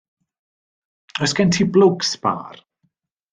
Oes gen ti blwg sbâr?